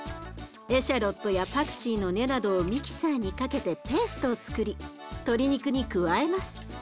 エシャロットやパクチーの根などをミキサーにかけてペーストをつくり鶏肉に加えます。